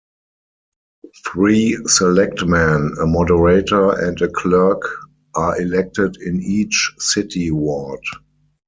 Three selectmen, a moderator, and a clerk are elected in each city ward.